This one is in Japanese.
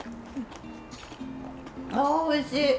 あおいしい！